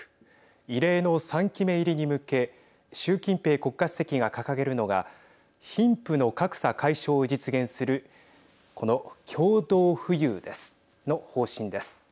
異例の３期目入りに向け習近平国家主席が掲げるのが貧富の格差解消を実現するこの共同富裕の方針です。